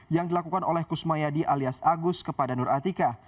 yang dilakukan oleh kusmayadi alias agus kepada nur atika